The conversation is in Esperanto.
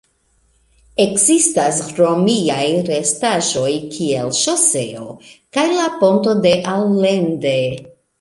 Ekzistas romiaj restaĵoj kiel ŝoseo kaj la ponto de Allende.